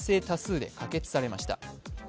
多数で可決されました。